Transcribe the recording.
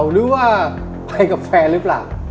หรือว่าไปกับแฟนหรือเปล่า